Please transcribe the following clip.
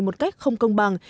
một cách không công bằng